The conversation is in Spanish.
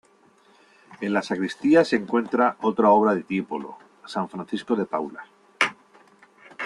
En la sacristía se encuentra otra obra de Tiepolo, "San Francisco de Paula".